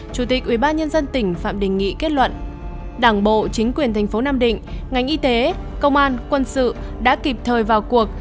chủ tịch ủy ban nhân dân tỉnh phạm đình nghị kết luận đảng bộ chính quyền thành phố nam định ngành y tế công an quân sự đã kịp thời vào cuộc